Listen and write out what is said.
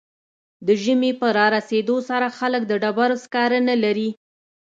د ژمي په رارسیدو سره خلک د ډبرو سکاره نلري